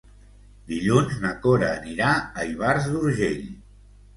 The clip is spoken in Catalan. Dilluns na Cora anirà a Ivars d'Urgell.